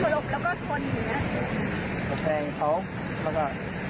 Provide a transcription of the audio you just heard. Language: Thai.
อยู่แสงแต่เหมือนกันว่าเขาสะบัดอะ